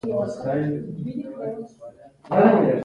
ظلم د ټولنې زوال دی.